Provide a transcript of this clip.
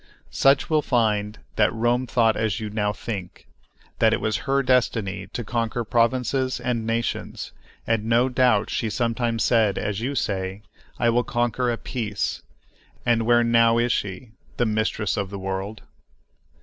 Such will find that Rome thought as you now think, that it was her destiny to conquer provinces and nations, and no doubt she sometimes said, as you say, "I will conquer a peace," and where now is she, the mistress of the world?